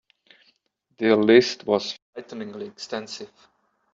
The list was frighteningly extensive.